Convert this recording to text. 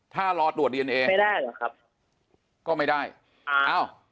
ถ้ารอตรวจดีเอนเอไม่ได้หรอกครับก็ไม่ได้อ้าว